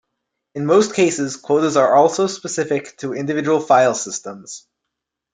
In most cases, quotas are also specific to individual file systems.